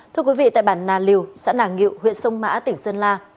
thưa quý vị tại bản nà liều xã nàng ngự huyện sông mã tỉnh sơn la